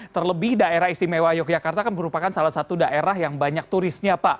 terlebih daerah istimewa yogyakarta kan merupakan salah satu daerah yang banyak turisnya pak